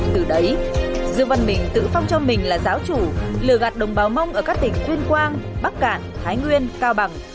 từ đấy dương văn mình tự phong cho mình là giáo chủ lừa gạt đồng báo mông ở các tỉnh tuyên quang bắc cạn thái nguyên cao bằng